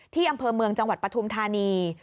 อำเภอเมืองจังหวัดปฐุมธานี